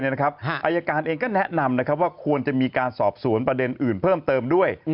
อายการเองก็แนะนำว่าควรจะมีการสอบสวนประเด็นอื่นเพิ่มเติมด้วย